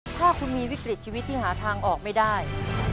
ถ้าคุณมีวิกฤตชีวิตที่หาทางออกไม่ได้